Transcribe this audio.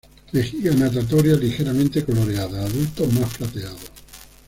Vejiga natatoria ligeramente coloreada, adultos más plateado.